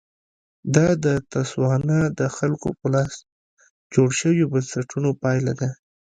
دا د تسوانا د خلکو په لاس جوړ شویو بنسټونو پایله ده.